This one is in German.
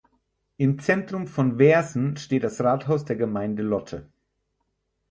Im Zentrum von Wersen steht das Rathaus der Gemeinde Lotte.